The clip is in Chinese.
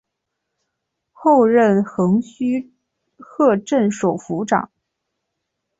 后任横须贺镇守府长。